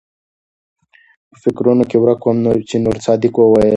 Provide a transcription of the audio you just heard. پۀ فکرونو کښې ورک ووم چې نورصادق وويل